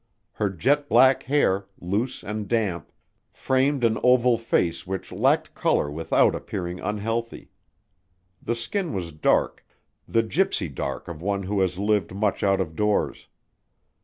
Her jet black hair, loose and damp, framed an oval face which lacked color without appearing unhealthy. The skin was dark the gypsy dark of one who has lived much out of doors.